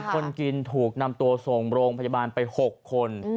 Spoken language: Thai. คนกินถูกนำตัวส่งโรงพยาบาลไป๖คน